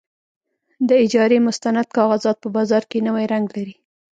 د اجارې مستند کاغذات په بازار کې نوی رنګ لري.